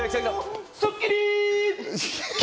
スッキリ！